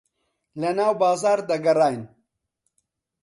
لەناو بازاڕ دەگەڕاین.